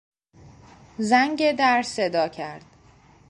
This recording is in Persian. زنگ در صدا کرد.